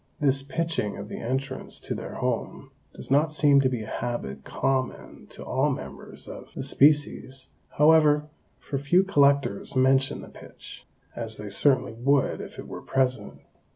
This pitching of the entrance to their home does not seem to be a habit common to all members of the species, however, for few collectors mention the pitch, as they certainly would if it were present.